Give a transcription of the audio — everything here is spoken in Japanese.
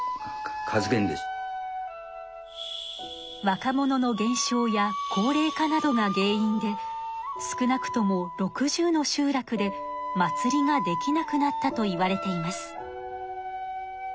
若者の減少や高齢化などが原因で少なくとも６０の集落で祭りができなくなったといわれています。